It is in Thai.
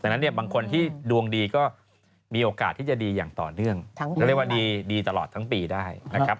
ดังนั้นเนี่ยบางคนที่ดวงดีก็มีโอกาสที่จะดีอย่างต่อเนื่องก็เรียกว่าดีตลอดทั้งปีได้นะครับ